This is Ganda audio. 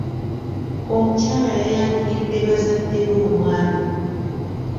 Omukyala yayanjulidde bazadde be omwami.